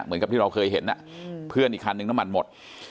เหมือนกับที่เราเคยเห็นเพื่อนอีกคันนึงน้ำมันหมด